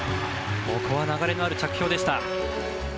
ここは流れのある着氷でした。